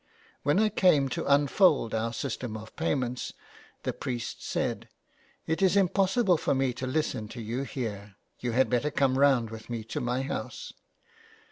When I came to unfold our system of payments, the priest said :—" It is impossible for me to listen to you here. You had better come round with me to my house."